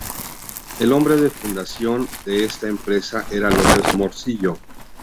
El nombre de fundación de esta empresa era López Morcillo.